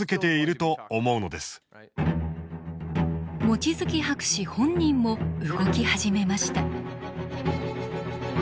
望月博士本人も動き始めました。